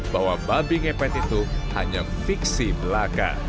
bahwa babi ngepet itu hanya fiksi belaka